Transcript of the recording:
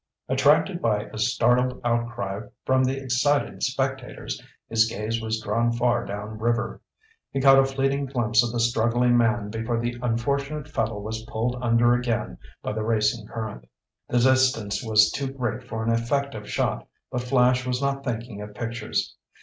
Attracted by a startled outcry from the excited spectators, his gaze was drawn far down river. He caught a fleeting glimpse of the struggling man before the unfortunate fellow was pulled under again by the racing current. The distance was too great for an effective shot, but Flash was not thinking of pictures.